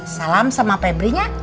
salam sama pebri nya